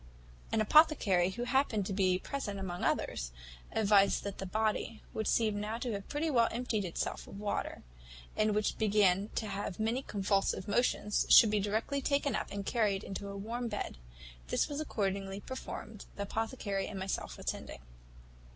"An apothecary, who happened to be present among others, advised that the body, which seemed now to have pretty well emptied itself of water, and which began to have many convulsive motions, should be directly taken up, and carried into a warm bed. This was accordingly performed, the apothecary and myself attending.